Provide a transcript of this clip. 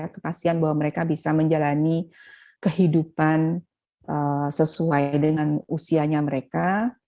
kepastian bahwa mereka bisa menjalani kehidupan sesuai dengan usianya mereka